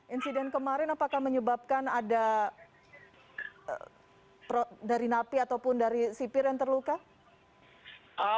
insiden kemarin apakah menyebabkan ada dari napi ataupun dari sipir yang terluka